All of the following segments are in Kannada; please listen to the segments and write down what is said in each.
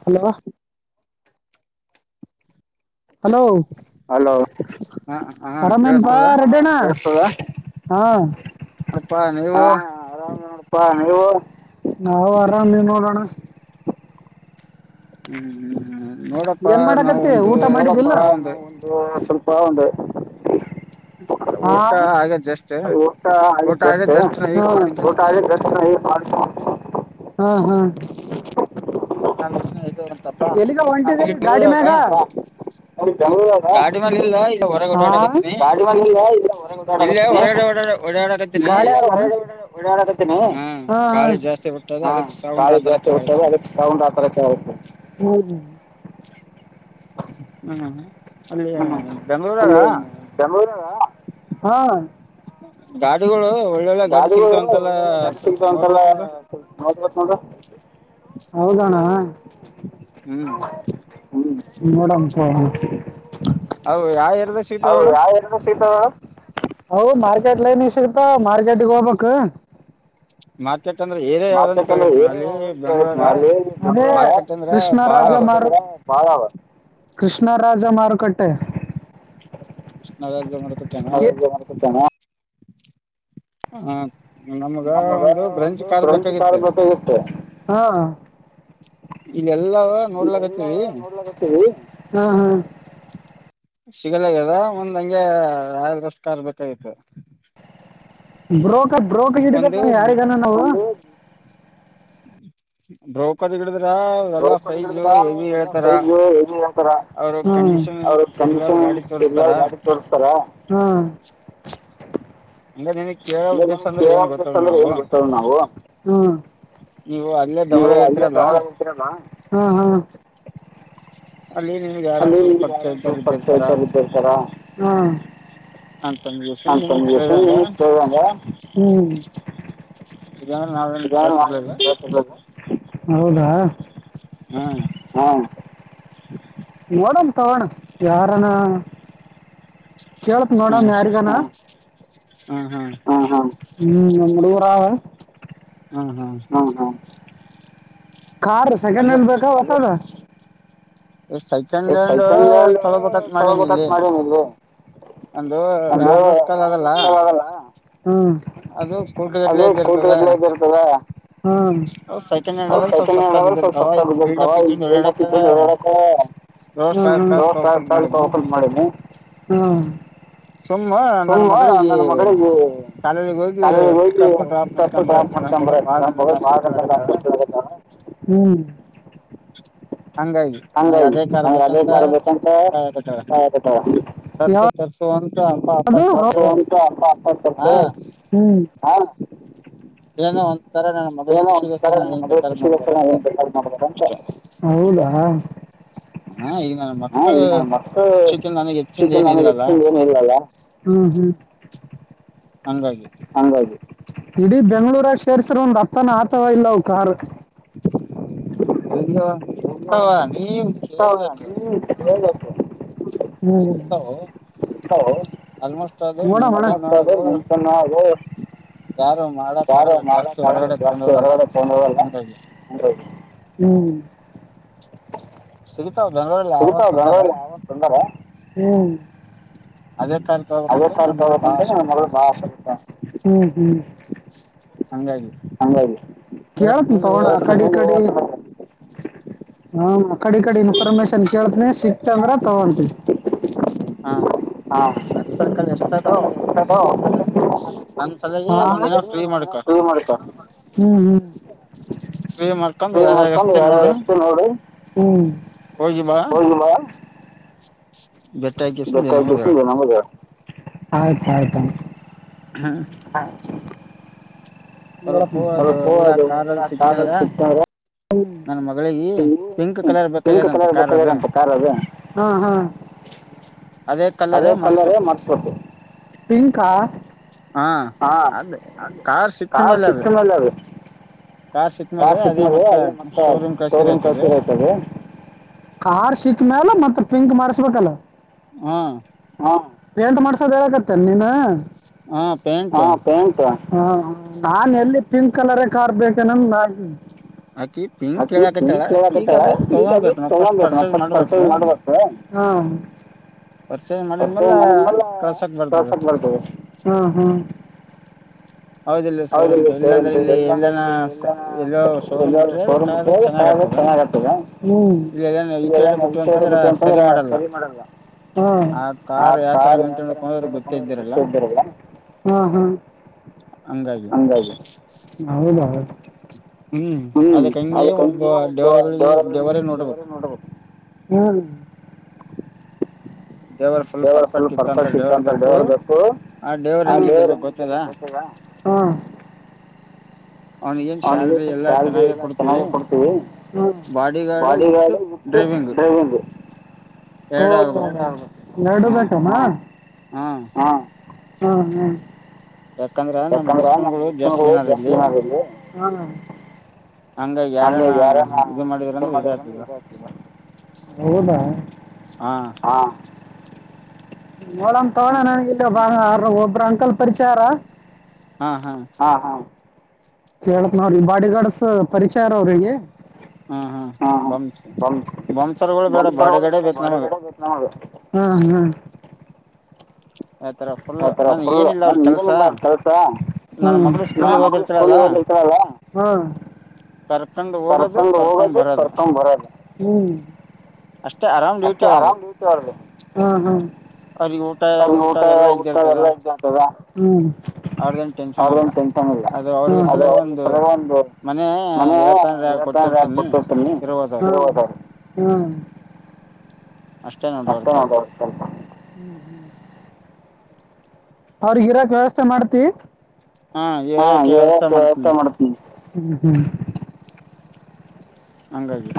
ಹಲೋ ಹಲೋ ಹಲೋ ಆರಾಮೇನ್ಪ್ಪಾ ರಡಣ್ಣ. ಹಾ ಅಪ್ಪಾ ನೀವು ನೀವು ನಾವು ಆರಾಮ್ ಇವಿ ನೋಡೋಣ. ಹ್ಮ್ ಹ್ಮ್ ಹ್ಮ್ ಏನ್ ಮಾಡಕತ್ತಿ ಊಟ ಮಾಡಿದ್ ಇಲ್ ನೋಡಪ್ಪ ಒಂದು ಸ್ವಲ್ಪ ಹ ಊಟ ಆಗಿದ್ದಷ್ಟೇ ಊಟ ಆಗಿದ್ದಷ್ಟೇ ಮಾಡ ನಾ ನಿನ್ನ ಇದು ಎಲ್ಲಿಗ ಹೊಂಟ ಗಾಡಿ ಮ್ಯಾಗಡ ಕಾಳಿ ಜಾಸ್ತಿ ಹಟ್ಟದೆ ಅದಕ್ಕೆ ಸೌಂಡ್ ಆ ತರತ್ತೆ ಮರಭೂ ಹ್ಮ ಹ್ಮ್ ಅಲ್ಲಿ ಬೆಂಗಳೂರು ಅಲ್ಲ ಹಾ ಅ ಗಾಡಿಗಳು ಗಾಡಿ ಸಿಗ್ತ ಅಂತೆಲ್ಲ ನೋಡ್ಬೇಕ ನೋಡ ಹೌದಣ ನೋಡ ಹೌ ಯಾವ ಎ ಸಿಗ್ತವೆ ಮೇಡ್ ಹ ಮಾರಕೆಟ್ಲ ಮ ಮಾರ್ಕೆಟ್ ಹೋಗ್ಬೇಕು ಮತ್ತ ಮಾರ್ಕೆಷ ಅದೇ ಕೃಷ್ಣರಾಜ ಮಾರುಕಟ್ಟೆ ಕೃಷ್ಣರಾಜ ಮಾರುಕಟ್ಟೆ ಕೃಷ್ಣರಾಜ ಮಾಡಸತಣ ಹಾ ನಮಗ ಒಂದು ಬ್ರಂಚ ಕಾರ್ಮತೆ ಇತ್ತೆ ಹಾ ಇವೆಲ್ಲ ನೋಡ್ಲಕ್ಕತವಿ ಹಾ ಹಾ ಸಿಗಲಗದ ಒಂದ್ ಹಂಗೆ ಆಕಷ್ಟ ಕಾರ್ ಬೇಕಾಗಿತ್ತು ಬ್ರೋಡ್ ಅ ಬ್ರೋಕ್ ಹ ಇಡ್ಬೇಕ ಯಾರಿಗಾನ ನಾವು ಬ್ರೋಕದ ಗಿಡದ ಿಡ್ರ ಎಲ್ಲೈಜ ಅಂತಾರ ಅವ್ರ ಕಂಡೀಷನ್ ಎ ಗಾಡಿ ತೋಸ್ತಾರ ಹಂಗ ನನ ಇಂದ್ರ ಏನ್ ಗತ ನಾವು ನೀವು ಅರ ಅಲ್ಲಿ ಯಾರಂದ ಸ್ವಲ್ಪರ್ಚತ ಇರ್ತಾರಿವ್ಮ ಇದ ನಾವೇನು ಕಸರ್ಲಿಲ್ಲ ಹೌದಾ ಹಾ ಮಡ ತಣ ಯಾರಣ ಕೇಳತ್ ನೋಡಮ ಯಾರಿಗನಾ ಹ್ ಹಾ ಹ್ಮ್ ನಮ್ ಹುಡುಗುರ್ ಆವ ಹ ಹ ಕಾರ್ ಸೆಕೆಂಡ್ ಹ್ಯಾಂಡ್ ಬೇಕಾ ಸೆಕೆಂಡ್್ಯಾಂಡ ತಗೋಬೇಕ ಅಥ ಮಾಡೀನಿ ಲೆ [unintelligible] ಅದಲ್ಲ. ಹ ಅದು ಕೊಟ್ ಹ ಅವ್ ಸೆಕೆಂಡ್ ಹ್ಯಾಂಡ್ ಅದರ ಸ್ವಲ್ಪ ಸೌಸ್ತ ಬದಿರ್ತಿವ [unintelligible] ಓಡಾಡಕ ಹ್ಮ್ ಹ್ಮ ಲೊ ಸುಲ್ಫ್ ಅಂತ ಓಪನ್ ಮಾಡೆನೀ ಹ್ಮ ಹ ಸುಮ್ಮ್ ನನ್ ಮಗಳಿಗೆ ಕಾಲೇಜಿಗೆ ಹೋಗಿ ಪಿಕಪ್ ಡ್ರಾಪ್ ಮಾಡ್ಕೊಂಬರಕ ನನ್ ಮಗಳ ಬಾಳ ದಿನದಿಂದ ಆಸೆಯಿಂದ ಕೇಳಾಕತಳ ಹ್ಮ್ಮ್ ಹಂಗಾಗಿ ನನಗೆ ಅದೇ ಕಾರ್ ಬೇಕಂತ ಕಾಯಕತಾಳ ತರ್ಸು ತರ್ಸೋ ಅಂ ಅದು ಅ ಅಪ್ಪಾ ಅಪ್ಪ ಅ ತರ್ಸು ಹ್ಮ್ಮ್ ಹಾ ಏನೋ ಒಂಥರ ನನ್ನ ಮಗಳು ಖುಷಿಗೋಸ್ಕರ ಏನ್ ಬೇಕಾದ ಮಾಡಬೋದ್ ಅಂತ ಹೌದ ಹಾ ಇ ಮಕ್ಕಳು ಚಿಕನ್ ನಮಗೆ ಹೆಚ್ಚಂದ ಏನು ಇಲ್ಲಲ್ಲ ಹ್ಮ್ಮ ಹಾಂಗಾಗಿ ಇಡಿ ಬೆಂಗ್ಳೂರ್ರಾಗ್ ಒಂದ್ ಹತ್ ತಾನ ಆತವ ಇಲ್ಲ ಅವ ಕಾರ್ರಾಕ್ [unintelligible] [unintelligible] ನೋಡಮ್ ನೋಡೋಮ ಯಾರು ಮಾಡಕ್ ಆಗಲ್ಲ ಜಾಸ್ತಿ ಹೊರಗಡೆ ತಗೊಂಡೋಗಲ್ಲ ಹಂಗಾಗಿ ಹ್ಮ್ [unintelligible] ಸಿಗುತ್ ಸ್ವಲ್ಪ ಬೆಂಗ್ಳೂರ್ ನಾವ ಬಂದರ ಹ್ಮ್ [inaudible] ಅದ ಕಾರ್ ತೊಗೊಬೆಕ್ ಅಂತಾನ ನನ್ನ ಮಗಳ ಬಾಳ ಆಸೆ ಪಟ್ಟಾಳ ಹ್ಮ್ಮ್ ಹ್ಮ್ಮ್ ಹಂಗಾಗಿ ಕೇಳ್ತೀನಿ ತೊಗೊ ಅಣ್ಣ ಆಕಡಿ ಈಕಡಿ ಹಾ ಮ ಕಡಿ ಕಡೆ ಇನ್ಫಾರ್ಮೇಶನ್ ಕೇಳ್ತನಿ ಸಿಕ್ತ ಅಂದ್ರ ತಗೊಂತೀನಿ. [unintelligible] ಎಷ್ಟ ಅದೋ [unintelligible] ನಂದ ಅದಗೆ ಒಂದ್ ದಿನ ಫ್ರೀ ಮಾಡಕ [inaudible] ಫ್ರೀ ಮಾಡ್ಕೊಂಡ್ ಯಾರ ಯಾರಿಗೆ ಹಚತಿ ನೋಡು ಹ್ಮ್ ಹೋಗಿ ಬಾ. ಬೆಟ್ಟ ಹಾಕಿಸಿ [unintelligible] ಆಯ್ತ ಆಯ್ತು. ಹಾ. [unintelligible] ನನ್ ಮಗಳಿಗೆ ಪಿಂಕ್ ಕಲರ್ ಬೇಕಾಗ್ಯದಂತೆ ಕಾರ್ ಅದ ಅದೇ ಕಲ್ಲರೆ ಮಾಡಸ್ಬೇಕು. ಹಾ ಅ ಕಾರ್ ಸಿಕ್ಕ ಮೇಲೆ ಅದ ಕಾರ್ ಸಿಕ್ಕ ಮೇಲೆ ಅದೇ ಮತ್ತೆ ಶೋರೂಮ್ ಕಸೀರ ಆಯ್ತ ಅದು, ಕಾರ್ ಸಿಕ್ಕ ಮೇಲೆ ಮತ್ತ್ ಪಿಂಕ್. [unintelligible] ಶುಭಕಾಲ ಹಾ. ಪೇಂಟ್ ಮಾಡ್ಸೋದ ಹೇಳಕ್ಕತ್ತೀ ಏನ್ ನೀನ್. ಹಾ ಪೇಂಟ್ ಹೂ ನಾನ ಎಲ್ಲಿ. ಪಿಂಕ್ ಕಲರ್ ಕಾರ್ ಬೇಕು [unintelligible] ಅಕಿ ಪಿಂಕ್ ಕೇಳಕತ್ತಾಳ ಈಗ ಅದು ತಗೊಬೇಕು ನಾ ಫಸ್ಟ್ ಪರ್ಚೇಸ್ ಮಾಡ್ಬೇಕು. ಹಾಂ. [inaudible] ಮಾಡಿದ್ ಮೇಲೆ ಕಲ್ಸಕ್ಕೆ ಬರ್ತದೆ ಹ್ಮ ಹ್ಮ ಹೌದ ಇಲ್ಲ ಶೋರೂಮ್ಗೆ ಇಲ್ಲಾಂದ್ರೆ ಇಲ್ಲಿ ಎಲ್ಲನ ಎಲ್ಲೋ ಶೋರೂಮ್ ಬಿಟ್ರೆ ಅದ ಕಾರ್ ಚೆನ್ನಾಗ್ ಆತದ ಇಲ್ಲಿ ಎಲ್ಲ ಈಚೆಗಡೆ ಬಿಟ್ಟು ಅಂತಂದ್ರ ಸರಿ ಮಾಡಲ್ಲ. ಹ್ಮ ಆ ಕಾರು ಯಾವ್ ತರ [inaudible] ಹೂ ಹೂ. ಅಂದಾಜು ಹೌದ ದೌದು. ಹ್ಮ್ [unintelligible] ನೋಡಬುದು ದೇವರು ಫುಲ್ ಪರ್ಫೆಕ್ಟ್ ಇಟ್ಟಂತ ದೇವರು ಬೇಕು. [unintelligible] [unintelligible] [unintelligible] ಯಾಕಂದ್ರ ನಮ್ ದುಷ್ಮನ್ಗಳು ಜಾಸ್ತಿ ಜನ ಅವರು ಇಲ್ಲಿ. ಹ್ಮ. ಹಂಗ ಯಾರನ ಇದು ಮಾಡಿದ್ರಂದ್ರೆ ಇದಾಯ್ತದ ಹಾ ಹೌದ ಹಾ. ನೋಡ ತಗೋಳಣ [unintelligible] ಹಾ ಹಾ ಯಾರ್ ಆರ ಒಬ್ಬರ ಅಂಕಲ್ ಪರಿಚಯ ಅವ್ರ ಆ ಹಾ ಕೇಳತ್ನ ಅವರಿಗೆ ಬಾಡಿಗಾರ್ಡ್ಸ್ ಪರಿಚಯ ಆರ್ ಅವ್ರಿಗೆ ಹ್ಮ ಹ ಬ ಬರಿ ಚಲೋ ಆದ ಬಿಡ ಬಾಡಿ ಗಾರ್ಡ್ ಬೇಕ ನಮಗ ಹ್ಮ ಹ [inaudible] ಆತರ ಫುಲ್ ನನ್ ಏನಿಲ್ಲ ಕೆಲ್ಸ ಸ್ಕೂಲ್ ಹೋಗಿರ್ತಾಳ ಹ ಕರ್ಕೊಂಡ್ ಹೋಗದು ಕರ್ಕೊಂಡ್ ಬರದು ಹ್ಮ್ ಅಷ್ಟೇ ಆರಾಮ ಡ್ಯೂಟಿ ಅವ್ರ್ಗೆ ಹಾ ಹಾ ಅವ್ರ್ ನೂ ಊಟ ಅದು ಎಲ್ಲ ಇರ್ಥಂತಾದ ಅವ್ ಏನ್ ಟೆನ್ಶನ್ ಇಲ್ಲ ಅದು ಅವ್ರಗ ಸ ಒಂದು ಮನೇ ಎತ್ತ ಕೊಟ್ಟತನಿ ಅಷ್ಟೇ ನೋಡು ಅವರ ಕೆಲ್ಸ ಅವ್ರಿಗ್ ಇರಾಕ್ ವ್ಯವಸ್ಥೆ ಮಾಡ್ತಿ ಹಾ ಇರಾಕ ವ್ಯವಸ್ಥೆ ಮಾಡ್ತೀನಿ ಹ ಹ ಹಂಗಾಗಿ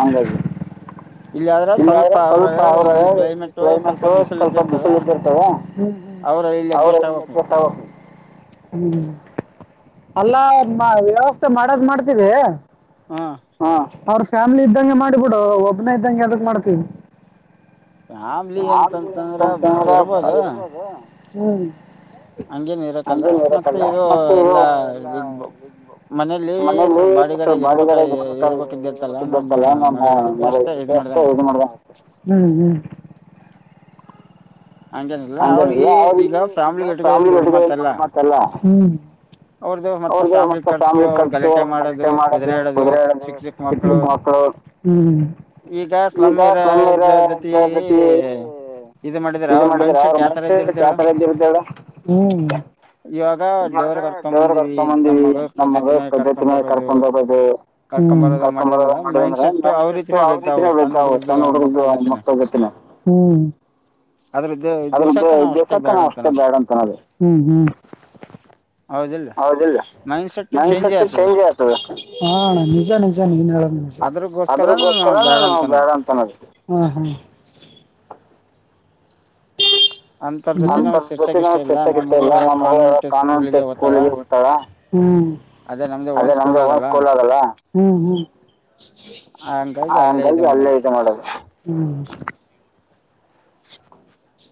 ಇಲ್ ಇಲ್ಲಾದ್ರ ಸ್ವಲ್ಪ ಅವ್ರ ಕ್ಲೈಮೇಟ್ ಸ್ವಲ್ಪ ಬಿಸಲು ಇದ್ದಿರ್ತಾದ ಅವ್ರು ಅಲ್ಲಿ ಅಡ್ಜಸ್ಟ್ ಆಗ್ಬೇಕು ಅಲ್ಲಾ ವ್ಯವಸ್ಥೆ ಮಾಡದ್ ಮಾಡ್ತಿವಿ ಹಾ ಅವ್ರಸ್ ಫ್ಯಾಮ್ಲಿ ಇದ್ದಂಗೆ ಮಾಡಿಬಿಡು ಒಬ್ಬನೇ ಇದ್ದಂಗೆ ಯದಕ್ ಮಾಡ್ತಿ ಫ್ಯಾಮಿಲಿ ಇತ್ತಂತಂದ್ರ ಇರ್ಬೋದು ಹ್ಮ್ ಹಂಗೇನ್ ಇರಕ್ಕಲ್ಲ ಮತ್ತೆ ಇದು ಎಲ್ಲಾ ಎಲ್ಲ ಮನೆಯಲ್ಲಿ ಸ್ವಲ್ ಬಾಡಿಗಾರ್ಡ ಆಗಿ ಇರಬೇಕಲ್ಲ ಇರಬೇಕಿದಿತ್ತಲ್ಲ ನಮ್ಮ ನನ್ನ ಫೇಸ್ ಗೆ ಇದು ಮಾಡಿದಂಗಾಯ್ತ ಹ್ಮ್ ಹ್ಮ್ ಹಂಗೇನಿಲ್ಲ ಅವ್ರಿಗೆ ಈಗ ಫ್ಯಾಮಿಲಿ ಇಟ್ಕೋಳದೇನಲ್ಲ ದೊಡ್ಡ ಮಾತಲ್ಲ ಹ್ಮ್ ಅವ್ರ್ದು ಮತ್ತ ಫ್ಯಾಮಿಲಿ ಖರ್ಚು ಅವ ಗಲಾಟೆ ಮಾಡೋದು ಓದರಾಡೋದು ಚಿಕ್ಕ ಚಿಕ್ಕ ಮಕ್ಕಳು ಈಗ ಸ್ಲಮ ಇರರ ಜತಿ ಇದು ಮಾಡಿದ್ರ ಅವರ ಮೈಂಡ್ ಸೆಟ್ ಯಾವ ತರ ಇದ್ದಿರ್ತಾದ ಹೇಳು ಹೂ ದೇವ್ರ ಕರ್ಕ ಮಂದಿ ನಮ್ಮ ಮಗಳ ಜತಿನ ಕರ್ಕೊಂಡ್ ಹೋಗೋದು ಕರ್ಕೊಂಡ್ ಬರೋದ ಮಾಡಿದಂದ್ರ ಮೈಂಡ್ ಸೆಟ್ ಅವರ ಗತಿನೇ ಬೆಳಿತಾದ ಸಣ್ಣ ಹುಡುಗರು ಮಕ್ಕಳ ಗತಿನೆ ಹೂ ಆದ್ರ ಗೊ ಗೋಸಾಕ್ ನಾವ್ ಅಷ್ಟೇ ಬೇಡ ಅಂತನದ ಹ್ಮ್ ಹ್ಮ್ ಹೌದಿಲ್ಲ ಮೈಂಡ್ ಸೆಟ್ ಚೇಂಜ್ ಆಗ್ತದ ಹ ನಿಜ ನಿಜ ನೀನು ಹೇಳೋದು ನಿಜ ಅದ್ರಗೋಸ್ಕರ ನಾವು ಬೇಡ ಅಂತ ಅನ್ನೋದು [inaudible]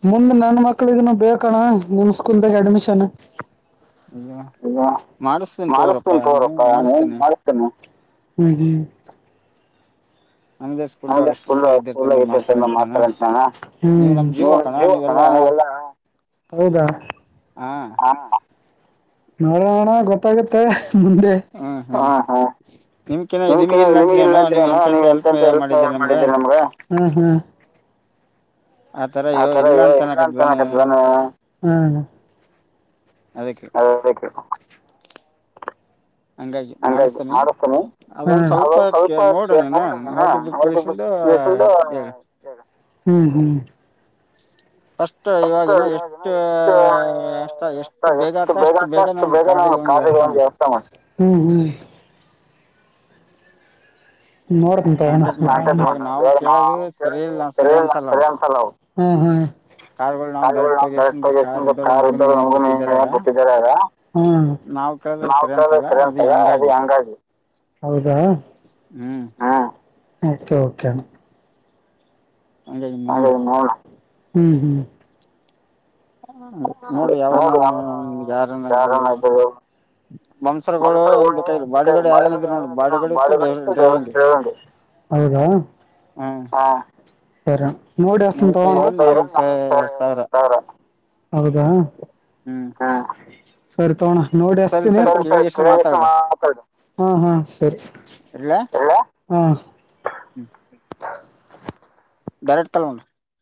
ಮುಂದ ನನ್ ಮಕ್ಳಿಗನು ಬೇಕಣ್ಣ ನಿಮ್ ಸ್ಕೂಲ್ದಾಗ ಅಡ್ಮಿಷನ್. ಮಾಡಿಸ್ತೇನೆ ತೋರಪ್ಪ ನಾವೇನ್ ಮಾಡಿಸ್ತೇನೆ ನಕೂೂ ಇದ ಮಾತಂತಣಲ್ಲ [inaudible] ಹೌದಾ ಹಾ ನೋಡಣ ಗೊತ್ತಾಗತ್ತೆ ಹಾ ಹಾ ನಿ ನಿಮಗಲ್ಲ ಅಂದ್ರ ನೀ ಎಂತ್ ಎಂತ ಹೆಲ್ಪ್ ಮಾಡಿದೀ ನಮ್ಗ ಆತರ ಎಲ್ಲ ಅಂತ ಅನ್ನಕತ್ತಿದ ನೀನು ಅದ [inaudible] ಹಂಗಾಯ್ತು ಮಾಡಿಸ್ತೀನಿ ಅವ ಸ್ವಲ್ಪ ನೋಡ ನೋಡಿಬಿಟ್ಟು ಹೇಳಾ ಎಷ್ಟ ಎಷ್ಟ ಎಷ್ಟು ಬೇಗ ಆಗ್ತ ಅಷ್ಟು ಬೇಗ ನಾನ ಕಾರ್ಯ ಒಂದು ವ್ಯವಸ್ಥಾ ಮಾಡ್ತೇ ನೋಡ್ತೀನಿ ತಗಳನ [inaudible] ಕಡಿಮೆ ಮಾಡಕ್ ಸರಿ ಅನ್ಸಲ್ಲ ಅದು [inaudible] ನಾ ಕೇಳಿದ್ರೆ ಸರಿ ಅನ್ಸಲ್ಲ ಅದು ಹಂಗಾಗಿ ಹೌದಾ ಹ ಕೆ ಓಕೆಣ ಹಂಗ ನಿಮೌನ ಹ್ಮ್ ಹ್ಮ್ ಹ ನೋಡಿ ಯಾವ ಯಾರನ ಇದ್ ಬಂಸರ್ಗಳುಂಗ ಗೊತ್ತ ಬಾಡಿಗಡೆ ಯಾರೇನ ಇದ್ರು ನೋಡ ಬಾಡಿಗಡೆ ಇತ್ತು ಡ್ರೈವಿಂಗ್ ಹ್ಮ್ ಸರೆ ಮೂವತ್ತೈರಲ್ಲಿ ನಾಲ್ವತ್ ಸ ಸಾವಿರ ಹೌದಾ ಹ ಸರೆ ತೋಣ ನೋಡಿ ಅತೀನಿ [inaudible] ಹ್ಮ ಹ್ಮ ಸರಿ ಹ ಸರಿನಾ ಹಾ ಹಾ ಡರೆಟ್ ಕಲ್ಣ